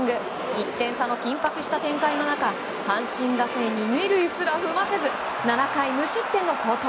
１点差の緊迫した展開の中阪神打線に２塁すら踏ませず７回無失点の好投。